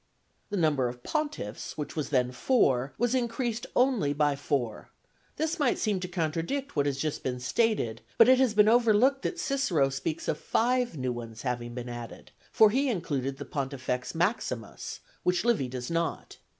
The number of pontiffs, which was then four, was increased only by four: this might seem to contradict what has just been stated, but it has been overlooked that Cicero speaks of five new ones having been added, for he included the Pontifex Maximus, which Livy does not.